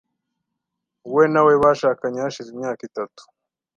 We na we bashakanye hashize imyaka itatu .